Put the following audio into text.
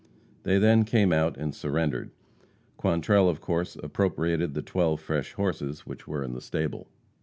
They then came out and surrendered. Quantrell, of course, appropriated the twelve fresh horses which were in the stable.